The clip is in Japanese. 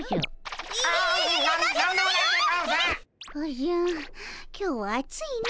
おじゃ今日は暑いの。